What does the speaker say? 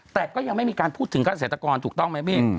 แต่ก็ยังไม่มีการพูดถึงเกษตรกรถูกต้องไหมพี่